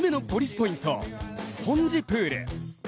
ポイント、スポンジプール。